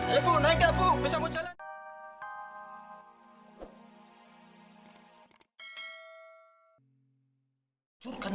eh bu naiklah bu bisa mau jalan